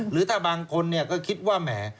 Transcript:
หรือถ้าบางคนก็คิดว่าแหม